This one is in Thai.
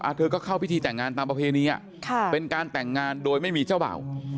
เธอก็เข้าพิธีแต่งงานตามประเพณีอ่ะค่ะเป็นการแต่งงานโดยไม่มีเจ้าเบ่า